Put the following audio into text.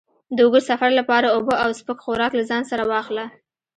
د اوږد سفر لپاره اوبه او سپک خوراک له ځان سره واخله.